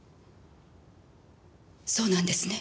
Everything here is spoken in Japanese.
そうなんですね？